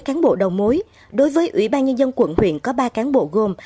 cán bộ đầu mối đối với ủy ban nhân dân quận huyện có ba cán bộ gồm